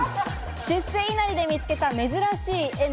出世稲荷で見つけた珍しい絵馬。